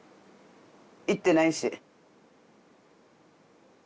言ってないし。